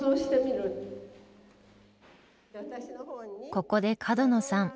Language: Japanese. ここで角野さん